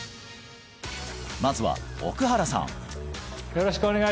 まずは奥原さん